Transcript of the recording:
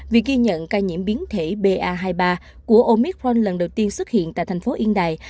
việc ghi nhận ca nhiễm biến thể ba hai mươi ba của omic fron lần đầu tiên xuất hiện tại thành phố yên đài